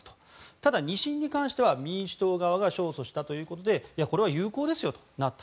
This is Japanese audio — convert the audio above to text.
ただ２審に関しては民主党側が勝訴したということでこれは有効ですとなった。